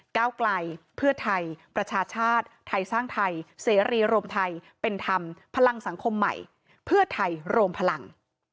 ก้าวไกลเพื่อไทยประชาชาติไทยสร้างไทยเสรีรวมไทยเป็นธรรมพลังสังคมใหม่เพื่อไทยรวมพลัง